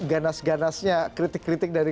ganas ganasnya kritik kritik dari